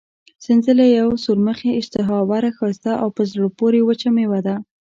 سنځله یوه سورمخې، اشتها اوره، ښایسته او په زړه پورې وچه مېوه ده.